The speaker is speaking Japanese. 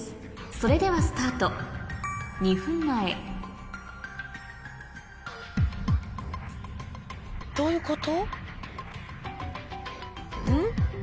それではスタート２分前どういうこと？